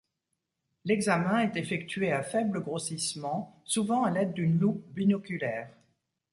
L'examen est effectué à faible grossissement, souvent à l'aide d'une loupe binoculaire.